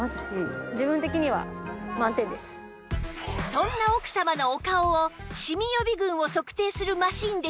そんな奥様のお顔をシミ予備軍を測定するマシンでチェック